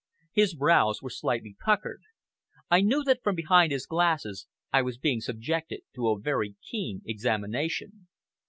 His brows were slightly puckered. I knew that from behind his glasses I was being subjected to a very keen examination.